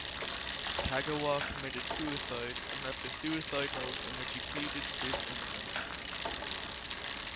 Kagawa committed suicide and left a suicide note in which he pleaded his innocence.